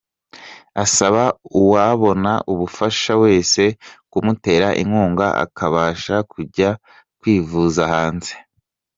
Asaba uwabona ubufasha wese kumutera inkunga akabasha kujya kwivuza hanze.